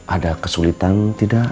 ada kesulitan tidak